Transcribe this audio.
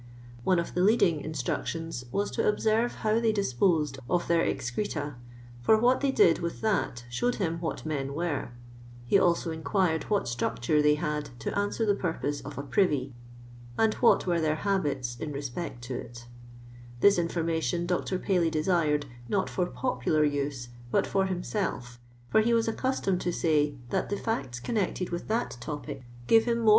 One of the leading instructions was to observe how they disposed of their excreta, for what they did with that showed him what men were ; he also inquired what structure they had to answer the purpose of a privy, and what were their habits in respect to it This informa tion Dr. Paley desired, not for popular use, but for himself, for he was accustomed to say, that the heU connected with that topic gave him more 380 LOXDOX LABOUR AXD THE LOXDOX POOR.